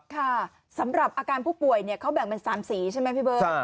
ค่ะสำหรับอาการผู้ป่วยเขาแบ่งเป็น๓สีใช่ไหมพี่เบิร์ต